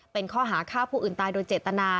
เป็นข้อหาฆ่าผู้อื่นตายโดยเจตนา